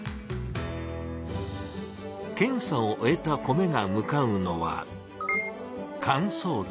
検査を終えた米が向かうのは乾燥機。